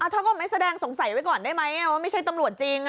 ถ้าก็ไม่แสดงสงสัยไว้ก่อนได้ไหมว่าไม่ใช่ตำรวจจริง